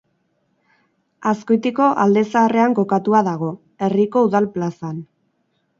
Azkoitiko Alde Zaharrean kokatua dago, Herriko Udal plazan.